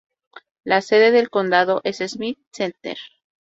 La sede del condado es Smith Center.